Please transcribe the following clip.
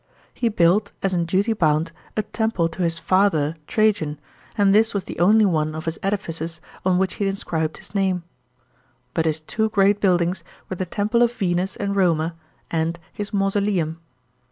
He built, as in duty bound, a temple to his " father " Trajan, and this was the only one of his edifices on which he inscribed his name. But his t« o great buildings were the temple of Venus and Roma, and his mausoleum.